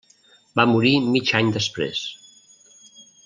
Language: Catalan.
Va morir mig any després.